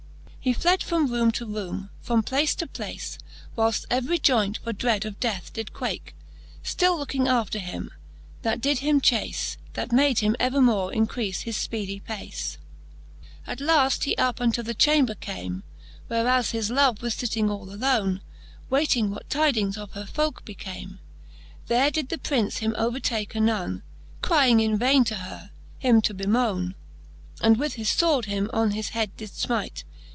He fled from roome to roome, from place to place. Why left every joy nt for dread of death did quake, Still looking after him, that did him chace ; That made him evermore increafe his fpeedie pace. XXX. At Canto VI. the Faerie ^eene, 295 XXX. At laft he up into the chamber came, Whereas his love was fitting all alone, Wayting what tydings of her tolke became. There did the Prince him overtake anone, Crying in vaine to her, him to bemone ; And with his fword him on the head did fmyte.